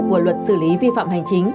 của luật xử lý vi phạm hành chính